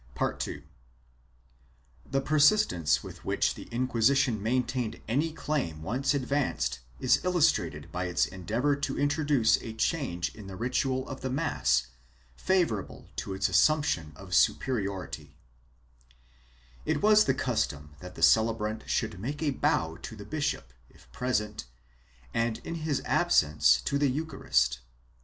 CHAP. II] ASSERTION OF SUPERIORITY 361 claim once advanced is illustrated by its endeavor to introduce a change in the ritual of the mass favorable to its assumption of superiority. It was the custom that the celebrant should make a bow to the bishop, if present, and in his absence, to the Eucharist.